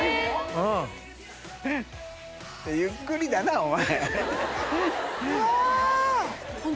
ゆっくりだなお前。